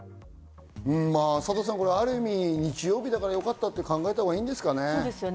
ある意味、日曜日だからよかったと考えたほうがいいんですかね。